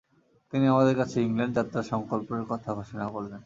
তিনি আমাদের কাছে ইংল্যান্ড যাত্রার সংকল্পের কথা ঘোষণা করলেন।